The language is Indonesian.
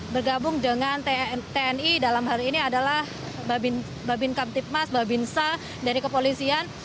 bergabung dengan tni dalam hal ini adalah babin kamtipmas babinsa dari kepolisian